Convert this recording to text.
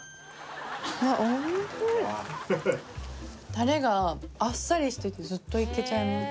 タレがあっさりしててずっといけちゃいます